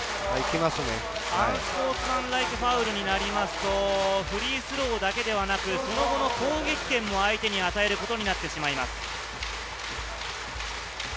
アンスポーツマンライクファウルになりますとフリースローだけではなく、その後の攻撃権も相手に与えることになってしまいます。